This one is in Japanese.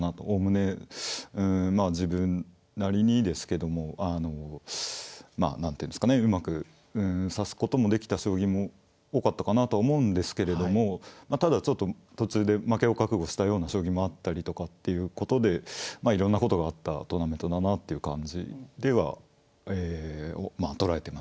おおむねまあ自分なりにですけどもまあ何ていうんですかねうまく指すこともできた将棋も多かったかなと思うんですけれどもまあただちょっと途中で負けを覚悟したような将棋もあったりとかっていうことでまあいろんなことがあったトーナメントだなっていう感じではえ